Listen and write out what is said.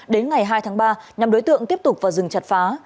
đến ngày hai tháng ba nhóm đối tượng tiếp tục vào rừng chặt phá